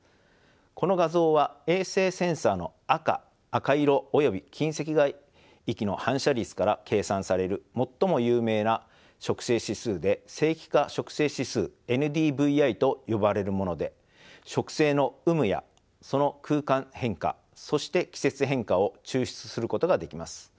この画像は衛星センサの赤色および近赤外域の反射率から計算される最も有名な植生指数で正規化植生指数ＮＤＶＩと呼ばれるもので植生の有無やその空間変化そして季節変化を抽出することができます。